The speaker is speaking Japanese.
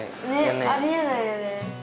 ねありえないよね。